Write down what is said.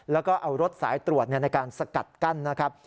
แล้วก็เอารถสายตรวจในการสกัดกั้นนะครับ